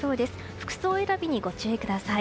服装選びにご注意ください。